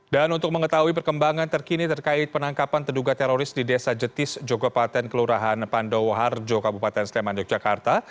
dan untuk mengetahui perkembangan terkini terkait penangkapan terduga teroris di desa jetis jogopaten kelurahan pandowarjo kabupaten sleman yogyakarta